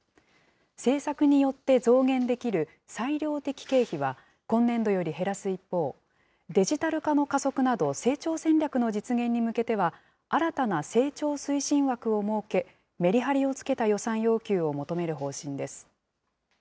政策によって増減できる裁量的経費は、今年度より減らす一方、デジタル化の加速など、成長戦略の実現に向けては、新たな成長推進枠を設け、メリハリをつけた予算要求を求める方針です。